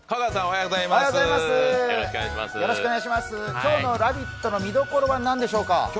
今日の「ラヴィット！」の見所はどこでしょうか？